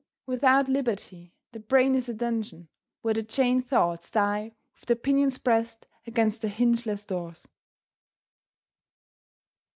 Without liberty, the brain is a dungeon, where the chained thoughts die with their pinions pressed against the hingeless doors.